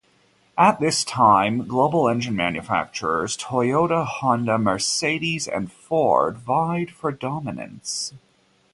At this time global engine manufacturers Toyota, Honda, Mercedes and Ford vied for dominance.